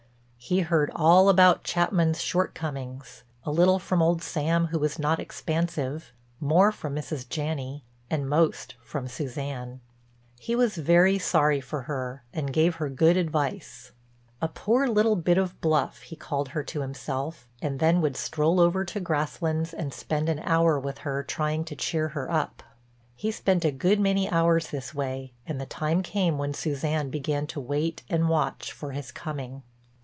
He heard all about Chapman's shortcomings; a little from old Sam who was not expansive, more from Mrs. Janney, and most from Suzanne. He was very sorry for her and gave her good advice. "A poor little bit of bluff," he called her to himself, and then would stroll over to Grasslands and spend an hour with her trying to cheer her up. He spent a good many hours this way and the time came when Suzanne began to wait and watch for his coming.